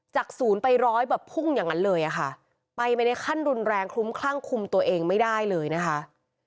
ศูนย์ไปร้อยแบบพุ่งอย่างนั้นเลยอะค่ะไปไปในขั้นรุนแรงคลุ้มคลั่งคุมตัวเองไม่ได้เลยนะคะ